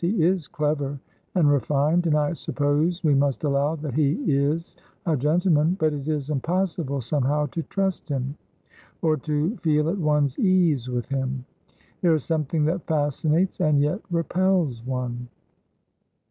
"He is clever and refined, and I suppose we must allow that he is a gentleman, but it is impossible somehow to trust him, or to feel at one's ease with him. There is something that fascinates and yet repels one."